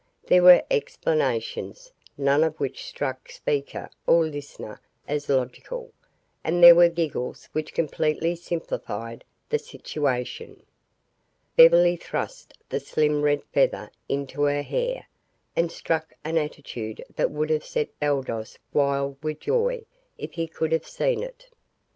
There were explanations none of which struck speaker or listener as logical and there were giggles which completely simplified the situation. Beverly thrust the slim red feather into her hair, and struck an attitude that would have set Baldos wild with joy if he could have seen it.